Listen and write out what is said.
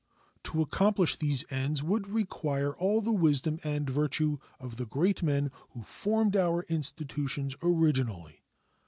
To accomplish these ends would require all the wisdom and virtue of the great men who formed our institutions originally.